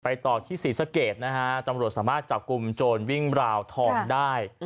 ต่อที่ศรีสะเกดนะฮะตำรวจสามารถจับกลุ่มโจรวิ่งราวทองได้